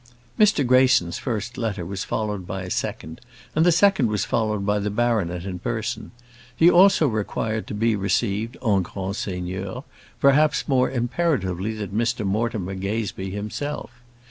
Mr Greyson's first letter was followed by a second; and the second was followed by the baronet in person. He also required to be received en grand seigneur, perhaps more imperatively than Mr Mortimer Gazebee himself.